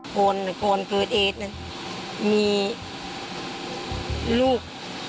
คนเกิดเอชน์มีลูก